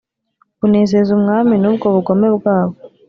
Banezeza umwami n’ubwo bugome bwabo,